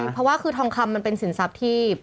เพราะว่าคือทองคำมันเป็นสินทรัพย์ที่